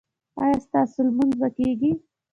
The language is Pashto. ایا ستاسو لمونځ به کیږي؟